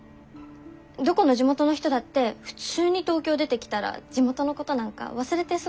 どこの地元の人だって普通に東京出てきたら地元のことなんか忘れて過ごすよ。